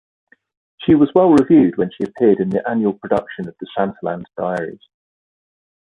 She was well-reviewed when she appeared in an annual production of "The Santaland Diaries".